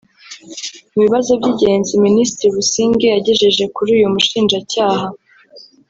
Mu bibazo by’ingenzi Minisitiri Busingye yagejeje kuri uyu Mushinjacyaha